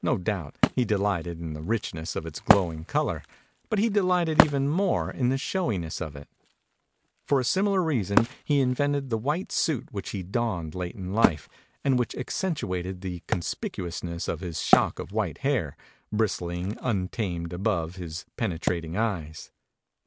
No doubt, he delighted in the richness of its glowing color, but he delighted even more in the showiness of it. For a similar reason he invented the white suit which he donned late in life and which accentuated the conspicuousness of his shock of white hair, bris tling untamed above his penetrating eyes.